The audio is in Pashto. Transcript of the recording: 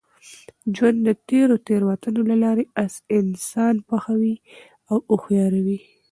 ژوند د تېرو تېروتنو له لاري انسان پخوي او هوښیاروي.